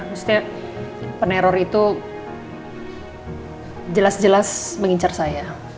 maksudnya peneror itu jelas jelas mengincar saya